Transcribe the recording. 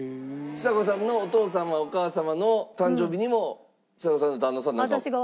ちさ子さんのお父様お母様の誕生日にもちさ子さんの旦那さんの方が。